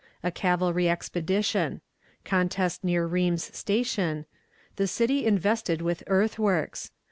A Cavalry Expedition. Contest near Ream's Station. The City invested with Earthworks.